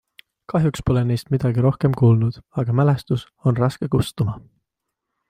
Kahjuks pole neist midagi rohkem kuulnud, aga mälestus on raske kustuma.